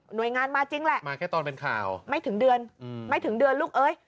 โดยงานมาจริงแหละมาแค่ตอนเป็นข่าวไม่ถึงเดือนไม่ถึงเดือนลูกเอ้ย